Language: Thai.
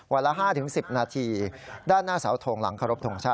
วันละ๕๑๐นาทีด้านหน้าเสาทงหลังขบธงชะ